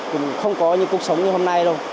cũng không có những cuộc sống như hôm nay đâu